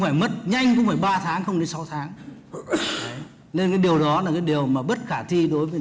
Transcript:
phải mất nhanh cũng phải ba tháng không đến sáu tháng nên cái điều đó là cái điều mà bất khả thi đối với